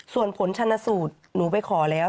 ส่วนผลชนสูตรหนูไปขอแล้ว